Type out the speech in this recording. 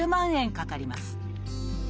かかります。